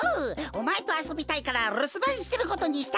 おまえとあそびたいからるすばんしてることにしたんだぜ！